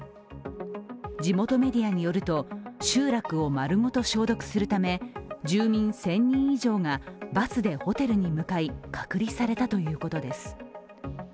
地元メディアによると集落を丸ごと消毒するため住民１０００人以上がバスでホテルに向かい、隔離されたということです。